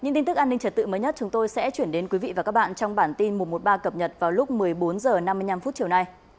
những tin tức an ninh trật tự mới nhất chúng tôi sẽ chuyển đến quý vị và các bạn trong bản tin một trăm một mươi ba cập nhật vào lúc một mươi bốn h năm mươi năm chiều nay